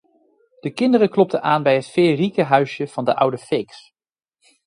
De kinderen klopten aan bij het feeërieke huisje van de oude feeks.